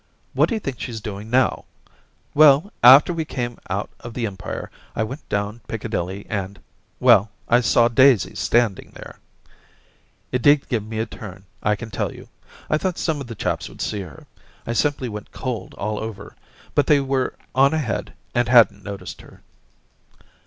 ... 'What d'you think she's doing now } Well, after we came out of the Empire, I went down Piccadilly, and — well, I saw Daisy standing there* ... It did give me a turn, I can tell you ; I thought some of the chaps would see her. I simply went cold all over. But they were on ahead and hadn't noticed her.'